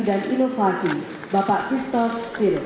dan inovasi bapak kristofiru signifkir dan aktor